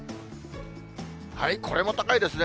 これも高いですね。